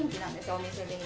お店で今。